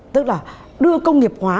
tức là đưa công nghiệp hóa